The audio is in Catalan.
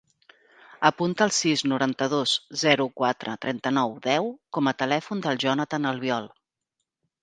Apunta el sis, noranta-dos, zero, quatre, trenta-nou, deu com a telèfon del Jonathan Albiol.